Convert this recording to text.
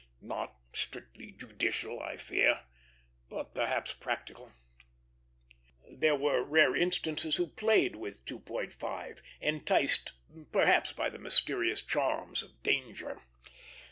Not strictly judicial, I fear, but perhaps practical. There were rare instances who played with 2.5, enticed perhaps by the mysterious charms of danger.